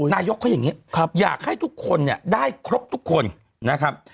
นายกเขาอย่างนี้อยากให้ทุกคนเนี่ยได้ครบทุกคนนะครับ